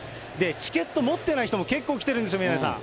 チケット持ってない人も結構来てるんですよ、宮根さん。